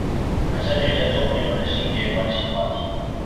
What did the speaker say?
男生女生做朋友的性別關係話題